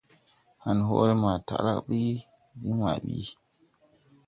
Han hɔɔlɛ maa taʼ diŋ maa ɓi.